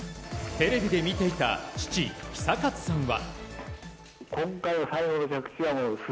テレビで見ていた父・久一さんは。